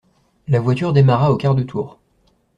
La voiture démarra au quart de tour.